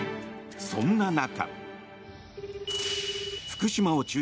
そんな中。